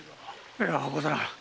いやござらぬ。